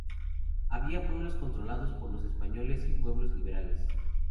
Había pueblos controlados por los españoles y pueblos libres.